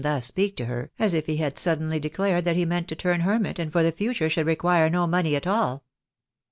thus speak to her as if he had suddenly declared that he meant to turn hermit, and for the future should require no money at all.